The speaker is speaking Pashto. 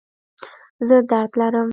زه درد لرم